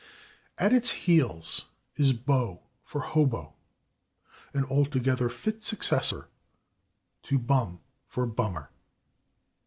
At [Pg161] its heels is /bo/ for /hobo/, an altogether fit successor to /bum/ for /bummer